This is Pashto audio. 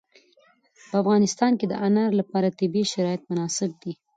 په افغانستان کې د انار لپاره طبیعي شرایط مناسب دي.